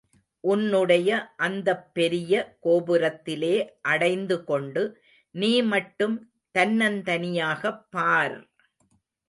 உன்னுடைய அந்தப் பெரிய கோபுரத்திலே அடைந்து கொண்டு, நீ மட்டும் தன்னந்தனியாகப் பார்!